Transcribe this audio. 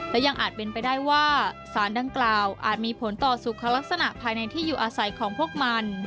และยังอาจเป็นไปได้ว่าสารดังกล่าวอาจมีผลต่อสุขลักษณะภายในที่อยู่อาศัยของพวกมัน